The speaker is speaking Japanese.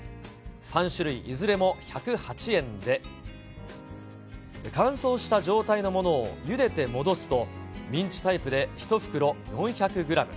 ３種類いずれも１０８円で、乾燥した状態のものをゆでて戻すと、ミンチタイプで４００グラム。